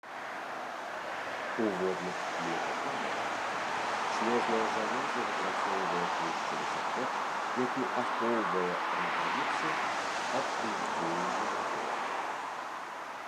У водных млекакормячых слёзная залоза выпрацоўвае тлушчавы сакрэт, які ахоўвае рагавіцу ад уздзеяння вады.